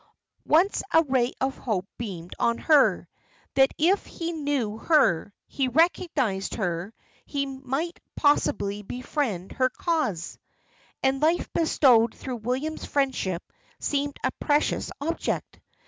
Once a ray of hope beamed on her, "that if he knew her, he recognised her, he might possibly befriend her cause;" and life bestowed through William's friendship seemed a precious object!